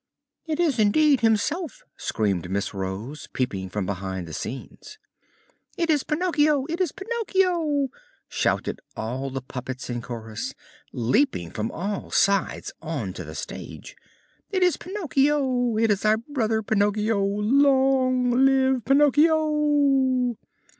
"It is indeed himself!" screamed Miss Rose, peeping from behind the scenes. "It is Pinocchio! it is Pinocchio!" shouted all the puppets in chorus, leaping from all sides on to the stage. "It is Pinocchio! It is our brother Pinocchio! Long live Pinocchio!"